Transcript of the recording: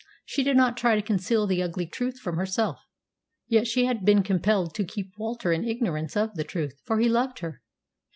She did not try to conceal the ugly truth from herself. Yet she had been compelled to keep Walter in ignorance of the truth, for he loved her.